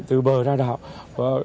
từ bờ ra đảo